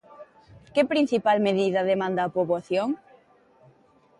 Que principal medida demanda a poboación?